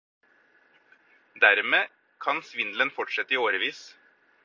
Dermed kan svindelen fortsette i årevis.